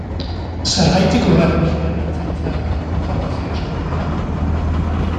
Zergatik urratu zuen Ertzaintzak informazio eskubidea?